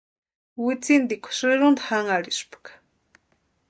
Wintsintikwani sïrunta janharhispka.